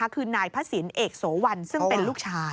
คือนายพระศิลปเอกโสวันซึ่งเป็นลูกชาย